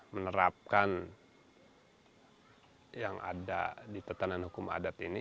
menerapkan yang ada di tetanan hukum adat ini